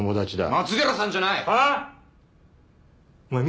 松寺さんじゃない！